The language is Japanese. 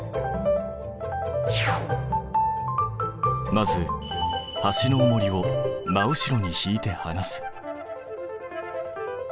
まずはしのおもりを真後ろにひいてはなす。